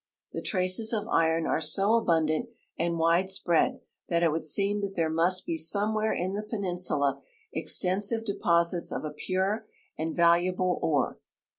The traces of iron are so ainmdant and AA'idespread that it Avould seem that there must be someAvhere in the peninsula extensive deposits of a pure and valuable ore.